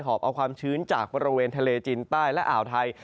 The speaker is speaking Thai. อบเอาความชื้นจากบริเวณทะเลจีนใต้และอ่าวไทย